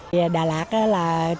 đà lạt là một mảnh đất đáng sống